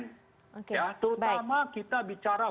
terutama kita bicara